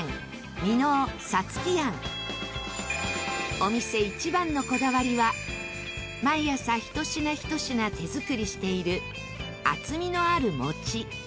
お店一番のこだわりは毎朝１品１品手作りしている厚みのある餅。